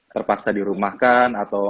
terpaksa dirumahkan atau